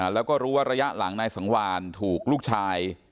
แล้วก็รู้ว่าระยะหลังนายสังวานถูกลูกชาย